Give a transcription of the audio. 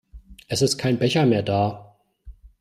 Es ist kein Becher mehr da.